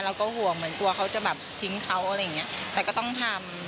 เราก็ห่วงเหมือนกลัวเขาจะแบบทิ้งเขาอะไรอย่างเงี้ยแต่ก็ต้องทำ